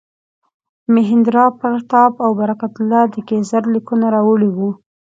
مهیندراپراتاپ او برکت الله د کیزر لیکونه راوړي وو.